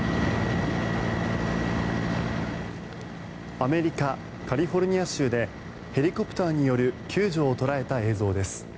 アメリカ・カリフォルニア州でヘリコプターによる救助を捉えた映像です。